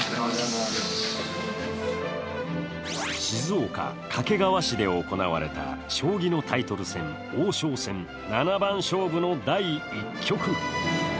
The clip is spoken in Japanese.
静岡・掛川市で行われた将棋のタイトル戦、王将戦七番勝負の第１局。